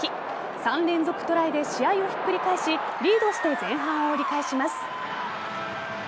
３連続トライで試合をひっくり返しリードして前半を折り返します。